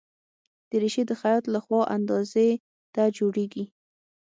دریشي د خیاط له خوا اندازې ته جوړیږي.